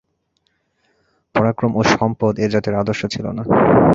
পরাক্রম ও সম্পদ এ-জাতির আদর্শ ছিল না।